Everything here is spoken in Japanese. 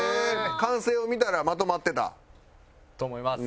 完成を見たらまとまってた？と思います。